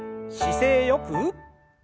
姿勢よく。